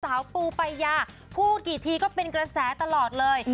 ปูปายาพูดกี่ทีก็เป็นกระแสตลอดเลย